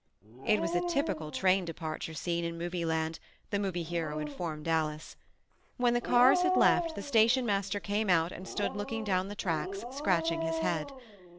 It was a typical train departure scene in Movie Land, the Movie Hero informed Alice. When the cars had left, the station master came out and stood looking down the tracks, scratching his head.